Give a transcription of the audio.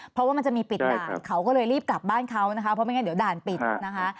เพราะว่ามันจะมีปิดด่านเขาก็เลยรีบกลับบ้านเขานะคะเพราะไม่งั้นเดี๋ยวด่านปิดนะคะ